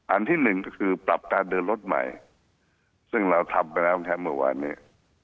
อันที่หนึ่งก็คือปรับการเดินรถใหม่ซึ่งเราทำไปแล้วแค่เมื่อวานเนี่ย